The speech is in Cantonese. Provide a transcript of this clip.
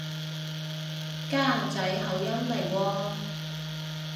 㗎仔口音嚟喎